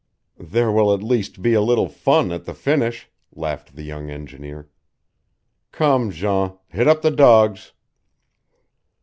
"There will at least be a little fun at the finish," laughed the young engineer. "Come, Jean, hit up the dogs!"